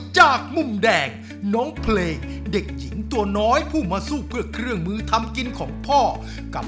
จนหมดแรงเรามาลุยกันต่อเลยครับ